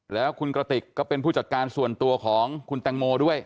แล้วคุณกระติกก็เป็นผู้จัดการส่วนตัวของคุณแตงโมด้วย